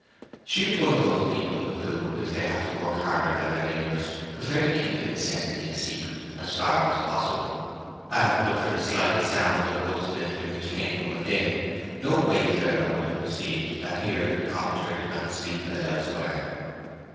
She was one of those people who, if they have to work harder than their neighbors, prefer to keep the necessity a secret as far as possible; and but for the slight sounds of wood splintering which came from within, no wayfarer would have perceived that here the cottager did not sleep as elsewhere.